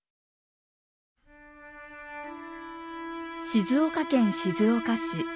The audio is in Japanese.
静岡県静岡市。